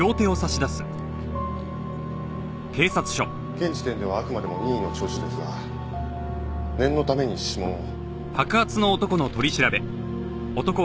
現時点ではあくまでも任意の聴取ですが念のために指紋を。